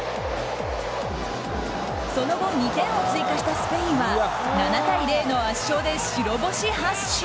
その後２点を追加したスペインは７対０の圧勝で白星発進。